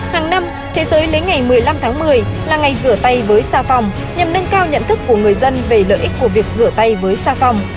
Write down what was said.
hàng năm thế giới lấy ngày một mươi năm tháng một mươi là ngày rửa tay với xa phòng nhằm nâng cao nhận thức của người dân về lợi ích của việc rửa tay với xa phòng